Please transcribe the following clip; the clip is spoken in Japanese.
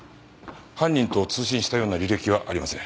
犯人と通信したような履歴はありません。